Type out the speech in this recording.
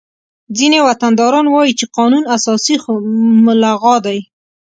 ځینې وطنداران وایي چې قانون اساسي خو ملغا دی